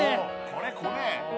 これこれ！